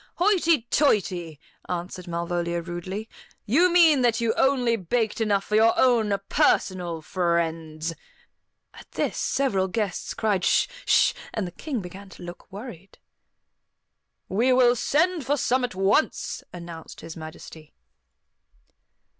"Hoity toity," answered Malvolia rudely; "you mean that you only baked enough for your own personal friends." At this several guests cried, "Sh! Sh!" and the King began to look worried. "We will send for some at once," announced His Majesty.